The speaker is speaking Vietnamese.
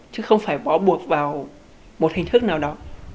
chứ không phải bó buộc vào một hình thức nào đó